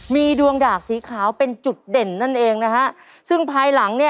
มีดวงดากสีขาวเป็นจุดเด่นนั่นเองนะฮะซึ่งภายหลังเนี่ย